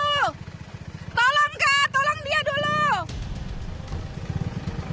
tolong kak tolong dia dulu